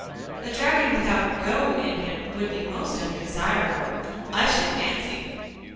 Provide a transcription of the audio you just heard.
"A dragon without 'go' in him would be most undesirable, I should fancy.